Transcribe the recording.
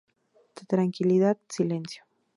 Tranquilidad, silencio.